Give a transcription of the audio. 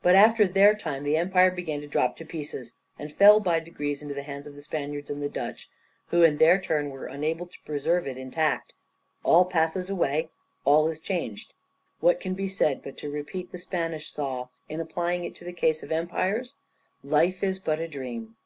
But after their time the empire began to drop to pieces, and fell by degrees into the hands of the Spaniards and the Dutch, who in their turn were unable to preserve it intact. All passes away, all is changed. What can be said but to repeat the Spanish saw, in applying it to the case of empires, "Life is but a dream"?